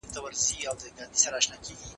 د جمود ماتول تر چپ پاته کېدو غوره دي.